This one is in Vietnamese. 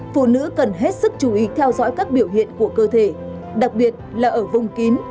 phụ nữ cần hết sức chú ý theo dõi các biểu hiện của cơ thể đặc biệt là ở vùng kín